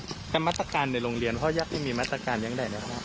ครับแล้วมาตรการในโรงเรียนพ่ออียาปไม่มีมาตรการอย่างไรเนี่ยคะ